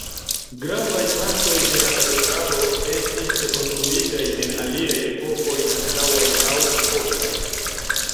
Gravaj partoj de la katedralo estis konstruitaj en aliaj epokoj antaŭaj aŭ postaj.